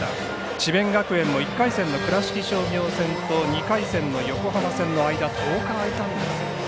智弁学園も１回戦の倉敷商業戦と２回戦の横浜戦の間が１０日空いたんですよね。